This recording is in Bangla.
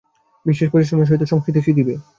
বিশেষ পরিশ্রমের সহিত সংস্কৃত শিখিবে।